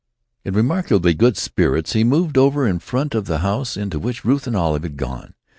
In remarkably good spirits he moved over in front of the house into which Ruth and Olive had gone.